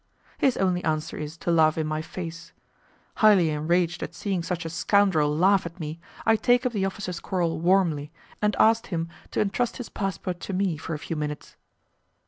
His only answer is to laugh in my face. Highly enraged at seeing such a scoundrel laugh at me, I take up the officer's quarrel warmly, and asked him to entrust his passport to me for a few minutes.